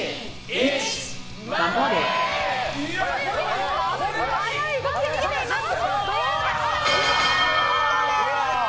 素早い動きで逃げています。